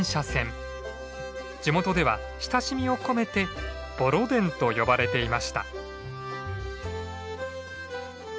地元では親しみを込めてボロ電と呼ばれていました。